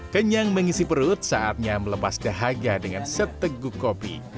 kenyang mengisi perut saatnya melepas kehaga dengan seteguk kopi